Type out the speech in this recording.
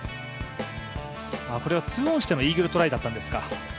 これは２オンしてのイーグルトライだったんですか。